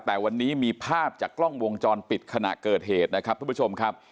แต่วันนี้มีภาพจากกล้องวงจรปิดขณะเกิดเหตุนะครับทุกผู้ชมครับ